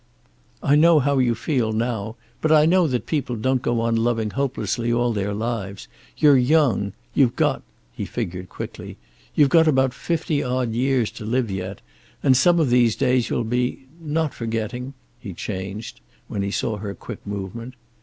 "I know how you feel now. But I know that people don't go on loving hopelessly all their lives. You're young. You've got" he figured quickly "you've got about fifty odd years to live yet, and some of these days you'll be not forgetting," he changed, when he saw her quick movement.